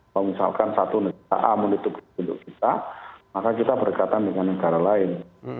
kalau misalkan satu negara a menutupi untuk kita maka kita berdekatan dengan negara lain